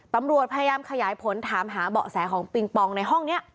ตำรวจพยายามขยายผลถามหาเบาะแสของปิงปองในห้องนี้